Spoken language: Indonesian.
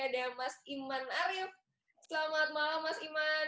ada mas iman arief selamat malam mas iman